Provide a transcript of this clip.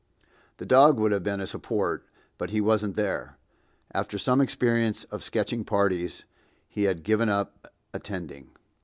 The dog would have been a support, but he wasn't there. After some experience of sketching parties, he had given up attending.